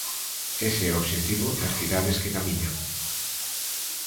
Ese é o obxectivo das cidades que camiñan.